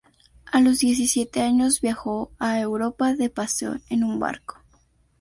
A los diecisiete años, viajó a Europa de paseo en un barco.